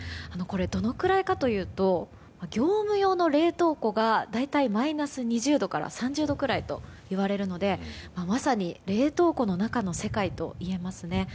どのくらいかというと業務用の冷凍庫が大体マイナス２０度から３０度くらいといわれるのでまさに冷凍庫の中の世界と言えますね。